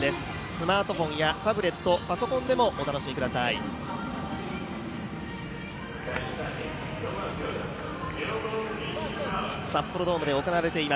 スマートフォンやタブレット、パソコンでもお楽しみください。